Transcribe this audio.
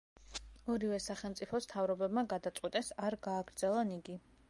ორივე სახელმწიფოს მთავრობებმა გადაწყვიტეს არ გააგრძელონ იგი.